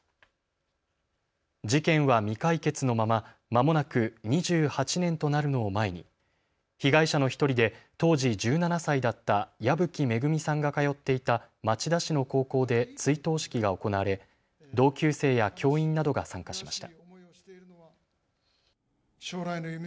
事件は未解決のまま、まもなく２８年となるのを前に被害者の１人で当時１７歳だった矢吹恵さんが通っていた町田市の高校で追悼式が行われ同級生や教員などが参加しました。